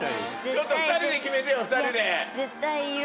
ちょっと２人で決めてよ２人で。